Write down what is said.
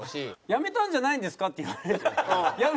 「やめたんじゃないんですか？」って言われるよ。